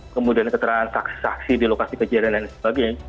kemudian keterangan saksi saksi di lokasi kejadian dan sebagainya